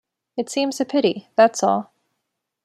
It seems a pity, that's all.'